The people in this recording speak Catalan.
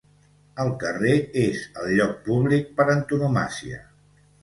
El carrer és el lloc públic per antonomàsia.